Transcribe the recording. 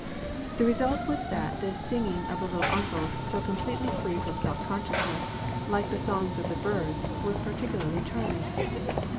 The result was that this singing of the " little uncle's," so completely free from self consciousness, like the songs of the birds, was particularly charming.